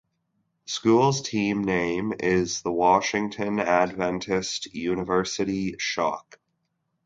The school's team name is the Washington Adventist University Shock.